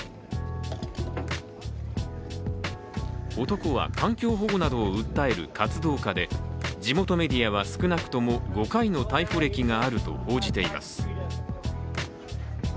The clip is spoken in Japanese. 男は環境保護などを訴える活動家で地元メディアは少なくとも５回の逮捕歴があると報じています。